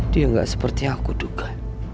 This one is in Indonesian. dia nggak seperti yang aku duga